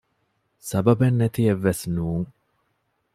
ސަބަބެން ނެތިއެއްވެސް ނޫން